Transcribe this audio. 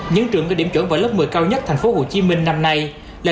những trường có điểm chuẩn vào lớp một mươi cao nhất thành phố hồ chí minh năm nay là